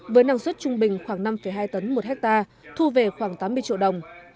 với năng suất trung bình khoảng năm hai tấn một hectare thu về khoảng tám mươi triệu đồng